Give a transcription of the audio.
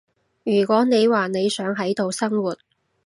如果你話你想喺度生活